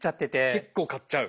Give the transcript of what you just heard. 結構買っちゃう？